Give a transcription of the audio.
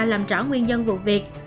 làm rõ nguyên nhân vụ việc